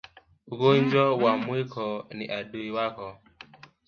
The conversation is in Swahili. Ugonjwa wa Mwinuko ni adui wako